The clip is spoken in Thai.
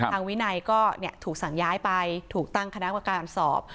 ทางวินัยก็เนี่ยถูกสั่งย้ายไปถูกตั้งคณะอาการสอบ